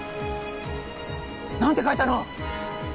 何て書いたの？